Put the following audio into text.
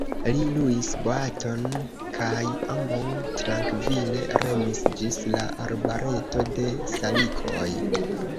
Li luis boaton kaj ambaŭ trankvile remis ĝis la arbareto de salikoj.